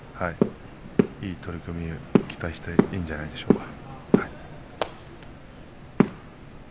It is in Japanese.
いい取組を期待していいんじゃないでしょうか。